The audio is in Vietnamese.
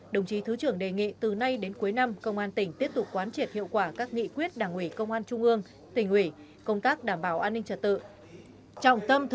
đồng chí thứ trưởng đề nghị từ nay đến cuối năm công an tỉnh tiếp tục quán triệt hiệu quả các nghị quyết đảng ủy công an trung ương tỉnh ủy công tác đảm bảo an ninh trật tự